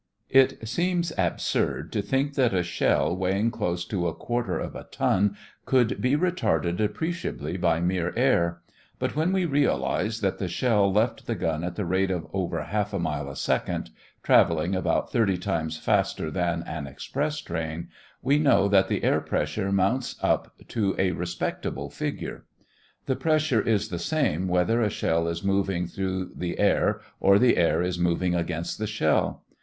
It seems absurd to think that a shell weighing close to a quarter of a ton could be retarded appreciably by mere air. But when we realize that the shell left the gun at the rate of over half a mile a second traveling about thirty times faster than an express train we know that the air pressure mounts up to a respectable figure. The pressure is the same whether a shell is moving through the air or the air is blowing against the shell.